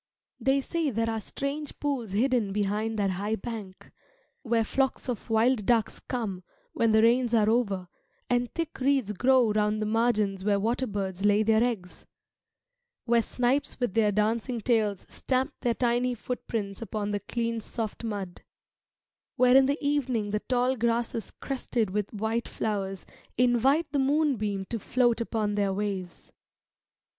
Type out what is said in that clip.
They say there are strange pools hidden behind that high bank, Where flocks of wild ducks come when the rains are over, and thick reeds grow round the margins where waterbirds lay their eggs; Where snipes with their dancing tails stamp their tiny footprints upon the clean soft mud; Where in the evening the tall grasses crested with white flowers invite the moonbeam to float upon their waves.